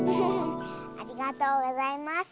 ありがとうございます。